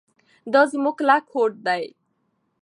دا زموږ کلک هوډ دی.